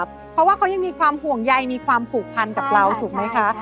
เพราะว่าเขายังมีความห่วงใยมีความผูกพันกับเราถูกไหมคะ